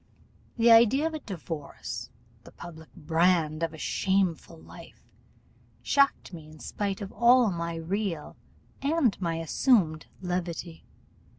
The idea of a divorce, the public brand of a shameful life, shocked me in spite of all my real and all my assumed levity.